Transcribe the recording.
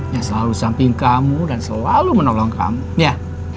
yang selalu samping kamu dan selalu menolong kamu ya